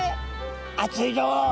「熱いよ。